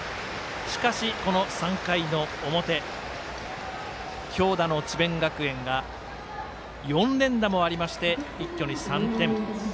しかし、３回の表強打の智弁学園が４連打もありまして一挙に３点。